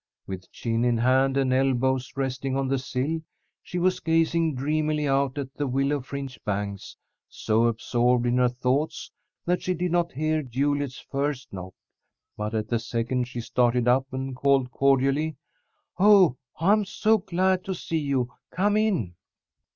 With chin in hand and elbows resting on the sill, she was gazing dreamily out at the willow fringed banks, so absorbed in her thoughts that she did not hear Juliet's first knock. But at the second she started up and called cordially: "Oh, I'm so glad to see you! Come in!"